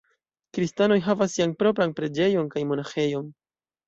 Kristanoj havas sian propran preĝejon kaj monaĥejon.